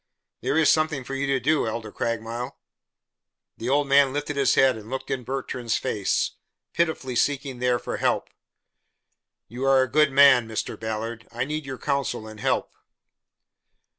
There is something for you to do, Elder Craigmile." The old man lifted his head and looked in Bertrand's face, pitifully seeking there for help. "You are a good man, Mr. Ballard. I need your counsel and help."